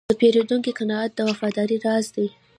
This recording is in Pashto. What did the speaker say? د پیرودونکي قناعت د وفادارۍ راز دی.